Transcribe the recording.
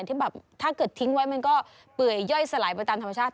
ที่แบบถ้าเกิดทิ้งไว้มันก็เปื่อยย่อยสลายไปตามธรรมชาติ